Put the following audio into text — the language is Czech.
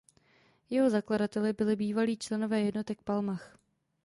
Jeho zakladateli byli bývalí členové jednotek Palmach.